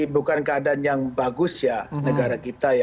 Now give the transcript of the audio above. bukan keadaan yang bagus ya negara kita ya